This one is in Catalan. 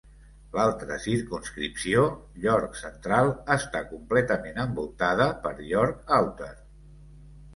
L'altra circumscripció, York Central, està completament envoltada per York Outer.